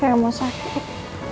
kayak mau sakit